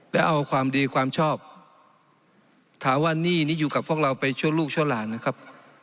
แล้วเอาความดีความชอบถามว่าหนี้นี่อยู่กับพวกเราไปชั่วลูกชั่วหลานนะครับ